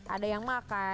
ada yang makan